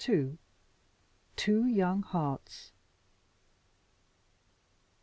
TWO YOUNG HEARTS.